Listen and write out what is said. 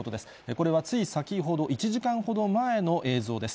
これはつい先ほど、１時間ほど前の映像です。